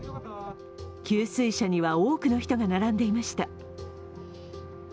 給水車には多くの人が並んでいました。